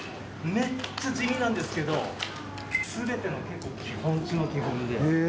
めっちゃ地味なんですけど、すべての基本中の基本で。